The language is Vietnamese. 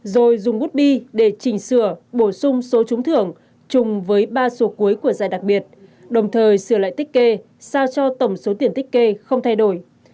rồi dùng bút bi để chỉnh sửa bổ sung số trúng thường chung với ba sổ cuối của dạy đặc biệt đồng thời sửa lại tích kê sao cho tổng số tiền tích kê không thay đổi